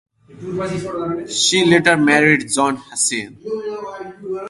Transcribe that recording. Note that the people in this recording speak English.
She later married John Hansen.